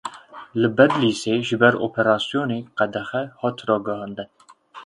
Li Bedlîsê ji ber operasyonê, qedexe hat ragihandin.